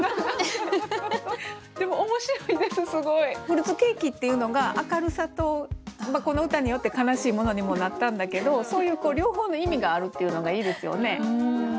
「フルーツケーキ」っていうのが明るさとこの歌によって悲しいものにもなったんだけどそういう両方の意味があるっていうのがいいですよね。